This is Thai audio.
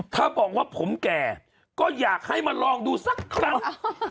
ถ้าบอกว่าผมแก่ก็อยากให้มาลองดูสักครั้ง